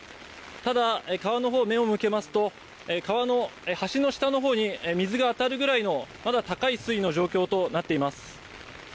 ただ、川のほう目を向けますと、川の橋の下のほうに水が当たるぐらいのまだ高い水位の状況となっています。